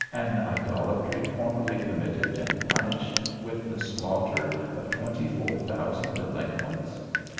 _ an idolatry formerly committed, and punished with the slaughter of twenty four thousand delinquents.